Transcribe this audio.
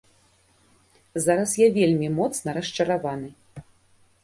Зараз я вельмі моцна расчараваны.